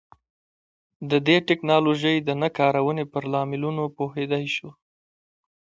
د دې ټکنالوژۍ د نه کارونې پر لاملونو پوهېدای شو.